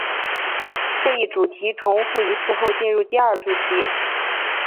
这一主题重复一次后进入第二主题。